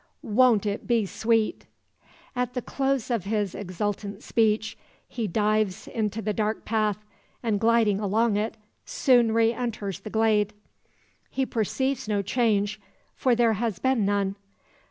Won't it be sweet!" At the close of his exultant speech, he dives into the dark path, and gliding along it, soon re enters the glade. He perceives no change, for there has been none.